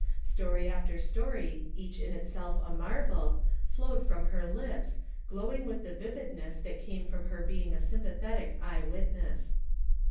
Story after story, each in itself a marvel, flowed from luir lips, glowing with the vividness that came from her being a sympathetic eye witness.